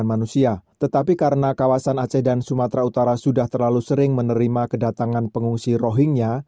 jika sumatera utara sudah terlalu sering menerima kedatangan pengungsi rohingnya